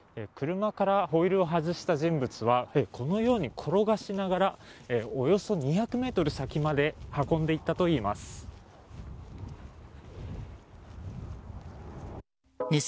車からホイールを外した人物はこのように、転がしながらおよそ２００ｍ先まで運んでいったといいます。